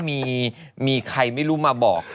มีใครไม่รู้มาบอก